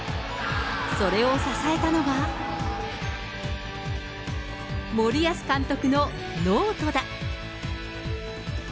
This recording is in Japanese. それを支えたのが、森保監督のノートだ。